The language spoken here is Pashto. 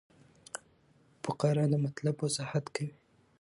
فقره د مطلب وضاحت کوي.